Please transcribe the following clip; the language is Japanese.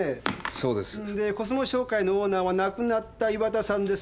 それで「コスモ商会」のオーナーは亡くなった岩田さんです。